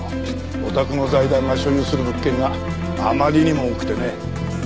お宅の財団が所有する物件があまりにも多くてね。